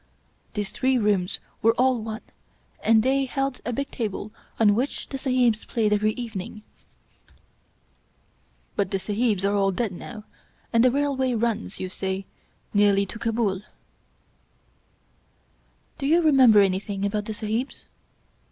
These three rooms were all one, and they held a big table on which the Sahibs played every evening. But 15 English Mystery Stories the Sahibs are all dead now, and the RaUway runs, you say, nearly to Kabul/' " Do you remember anything about the Sahibs